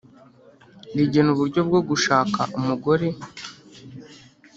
rigena uburyo bwo gushaka umugore